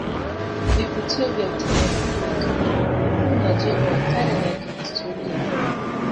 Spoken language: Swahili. Vivutio vya utamaduni ni kama magofu majengo ya kale na ya kihistoria